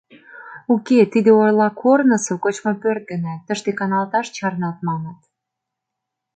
Уке, тиде ола корнысо кочмыпӧрт гына, тыште каналташ чарнат маныт.